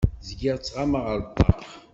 Zgiɣ ttɣamaɣ ar ṭṭaq.